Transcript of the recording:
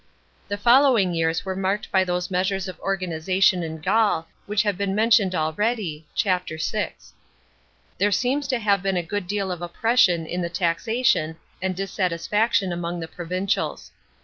The following years were marked by those measures of organisation in Gaul, which have been mentioned already (Chap. VI.). There seems to have been a good deal of oppression in the taxation, and dissatisfaction among the provincials.